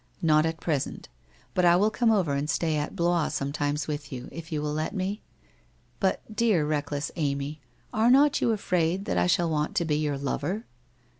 '' Not at present. But I will come over and stay at Blois sometimes with you, if you will let me? ... But, dear, reckless Amy, are not you afraid that I shall want to be your lover?